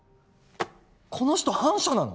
この人反社なの！？